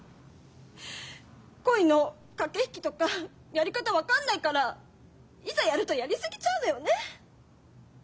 恋の駆け引きとかやり方分かんないからいざやるとやり過ぎちゃうのよね。